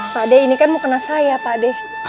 pak d ini kan mau kena saya pak d